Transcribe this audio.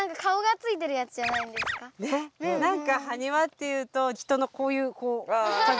なんかはにわっていうと人のこういうこう形。